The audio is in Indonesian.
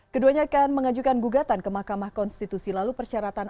keduanya akan mengajukan gugatan ke mahkamah konstitusi lalu persyaratan